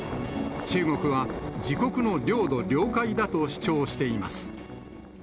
中国は、自国の領土・領海だと主張しています。